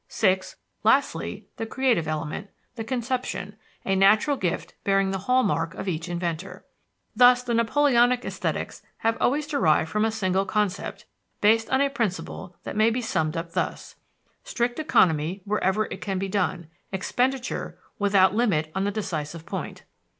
(6) Lastly, the creative element, the conception, a natural gift bearing the hall mark of each inventor. Thus "the Napoleonic esthetics was always derived from a single concept, based on a principle that may be summed up thus: Strict economy wherever it can be done; expenditure without limit on the decisive point.